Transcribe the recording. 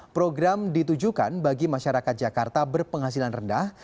program ditujukan bagi masyarakat jakarta berpenghasilan rendah